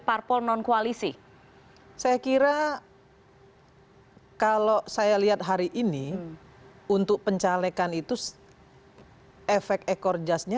parpol non koalisi saya kira kalau saya lihat hari ini untuk pencalekan itu efek ekor jasnya